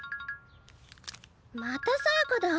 またさやかだ。